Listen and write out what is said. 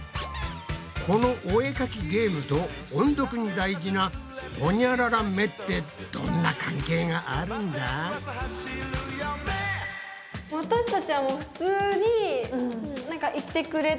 このお絵かきゲームと音読に大事なホニャララめってどんな関係があるんだ？ね